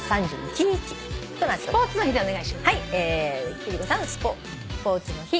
貴理子さん「スポーツの日」